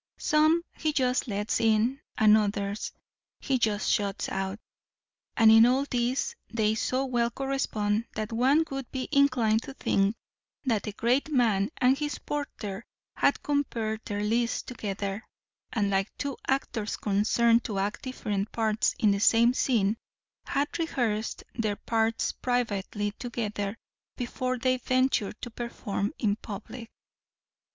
Some he just lets in, and others he just shuts out. And in all this they so well correspond, that one would be inclined to think that the great man and his porter had compared their lists together, and, like two actors concerned to act different parts in the same scene, had rehearsed their parts privately together before they ventured to perform in public.